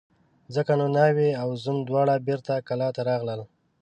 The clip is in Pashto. ځکه نو ناوې او زوم دواړه بېرته کلاه ته راغلل.